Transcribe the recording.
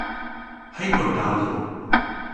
ให้กดดาวน์โหลด